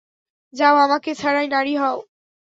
যাও, আমাকে ছাড়াই নারী হও।